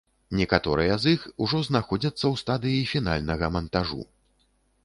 Некаторыя з іх ужо знаходзяцца ў стадыі фінальнага мантажу.